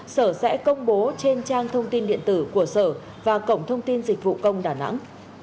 sở sẽ công bố trên trang thông tin điện tử của sở và cổng thông tin dịch vụ công đà nẵng